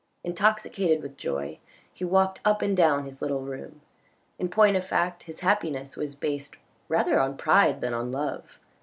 Intoxicated with joy he walked up and down his little room. In point of fact his happiness was based rather on pride than on love.